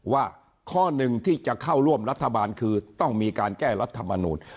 ว่าข้อหนึ่งที่จะเข้าร่วมรัฐบาลคือต้องมีการแก้รัฐมนูล